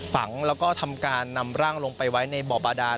ฝังแล้วก็ทำการนำร่างลงไปไว้ในบ่อบาดาน